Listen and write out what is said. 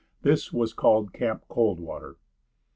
This was called "Camp Coldwater."